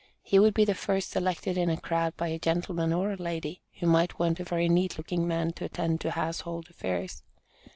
He would be the first selected in a crowd by a gentleman or a lady, who might want a very neat looking man to attend to household affairs.